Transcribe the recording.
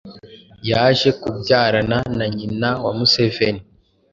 yaje kubyarana na nyina wa Museveni.